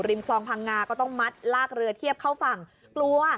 คลองพังงาก็ต้องมัดลากเรือเทียบเข้าฝั่งกลัว